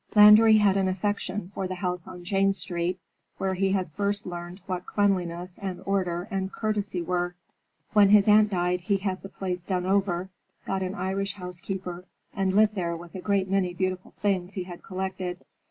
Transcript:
Landry had an affection for the house on Jane Street, where he had first learned what cleanliness and order and courtesy were. When his aunt died he had the place done over, got an Irish housekeeper, and lived there with a great many beautiful things he had collected.